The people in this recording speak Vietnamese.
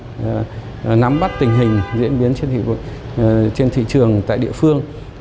và nắm bắt tình hình diễn biến trên thị trường tại địa phương